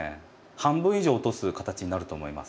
半分以上落とす形になると思います。